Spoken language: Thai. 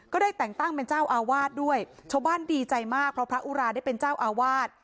ได้แต่งตั้งเป็นเจ้าอาวาสด้วยชาวบ้านดีใจมากเพราะพระอุราได้เป็นเจ้าอาวาส